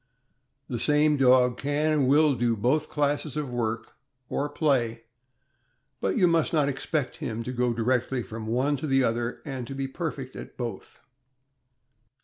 The same dog can and will do both classes of work (or play), but you must not expect him to go directly from one to the other and to be perfect at both.